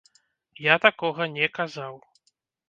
Я такога не казаў.